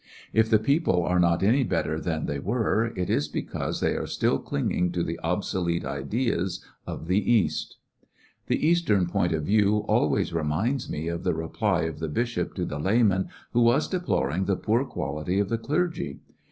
If the people are not any better than they were, it is because they are still clinging to the obsolete ideas of the East. Why the clergy The Eastern point of view always reminds are no er ^^^^^^ reply of the bishop to the layman who was deploring the poor quality of the clergy.